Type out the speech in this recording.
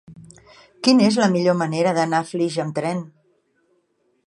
Quina és la millor manera d'anar a Flix amb tren?